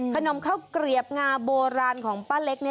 ขนมข้าวเกรียบงาโบราณของป้าเล็กเนี่ย